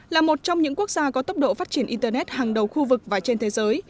là một trong những quốc gia có tốc độ phát triển internet hàng đầu khu vực và trên thế giới